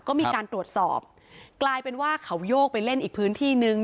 ก็มีการตรวจสอบกลายเป็นว่าเขาโยกไปเล่นอีกพื้นที่นึง